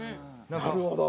なるほど。